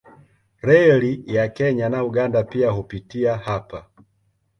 Reli ya Kenya na Uganda pia hupitia hapa.